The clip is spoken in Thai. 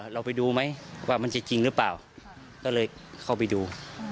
เราไปดูไหมว่ามันจะจริงหรือเปล่าก็เลยเข้าไปดู